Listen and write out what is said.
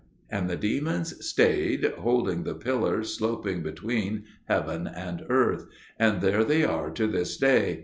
And the demons stayed, holding the Pillar sloping between heaven and earth; and there they are to this day.